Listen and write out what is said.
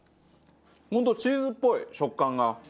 本当チーズっぽい食感が。